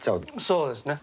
そうですね。